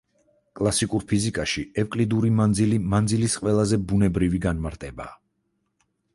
კლასიკურ ფიზიკაში ევკლიდური მანძილი მანძილის ყველაზე ბუნებრივი განმარტებაა.